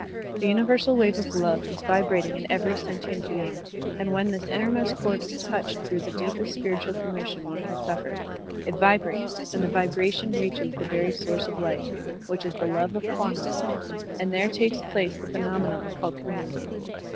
The universal wave of love is vibratii^ in every sentient being, and Digitized by Google KWANNON BOSATZ 1 69 when this innermost chord is touched through the deepest spiritual commotion one can stiffer, it vibrates, and the vibration reaches the very source of life, which is the love of Kwannon, and there takes place the phenomenon called communipn.